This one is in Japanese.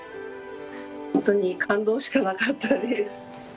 本当に感動しかなかったです。